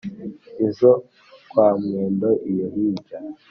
Izo kwa Mwendo iyo hirya